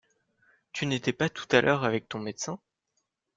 Tu n’étais pas tout à l’heure avec ton médecin ?